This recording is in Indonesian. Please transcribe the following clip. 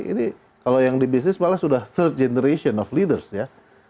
ini kalau yang di bisnis malah sudah third generation of leaders ya